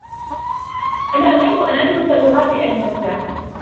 أنا أحبُّ أنْ أدرسَ اللغاتَ الأجنبيةَ.